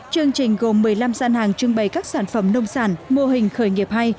chương trình gồm một mươi năm gian hàng trưng bày các sản phẩm nông sản mô hình khởi nghiệp hay